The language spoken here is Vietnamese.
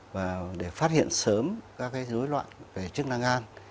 và để phát hiện sớm các dối loạn về chức năng gan